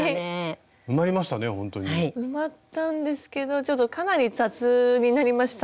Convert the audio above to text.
埋まったんですけどちょっとかなり雑になりました。